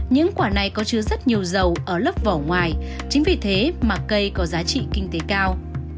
những quả này có chứa rất nhiều dầu ở lớp vỏ ngoài chính vì thế mà cây có giá trị kinh tế cao